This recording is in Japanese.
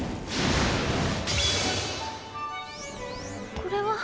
これは。